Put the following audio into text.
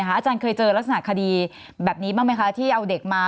อาจารย์เคยเจอลักษณะคดีแบบนี้บ้างไหมคะที่เอาเด็กมา